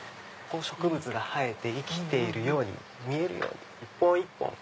植物が生えて生きているように見えるように一本一本